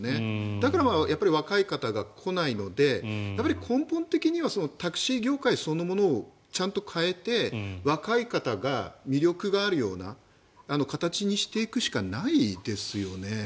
だから若い方が来ないので根本的にはタクシー業界そのものをちゃんと変えて、若い方が魅力があるような形にしていくしかないですよね。